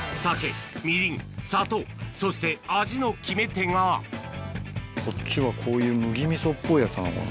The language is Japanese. そして味の決め手がこっちはこういう麦味噌っぽいやつなのかな。